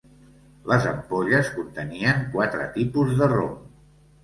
Les ampolles contenien quatre tipus de rom.